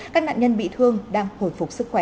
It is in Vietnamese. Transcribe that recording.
các nạn nhân bị thương đang hồi phục sức khỏe